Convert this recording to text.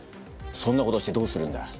そんなことしてどうするんだ？